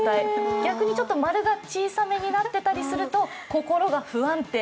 逆に丸が小さめになっていたりすると心が不安定。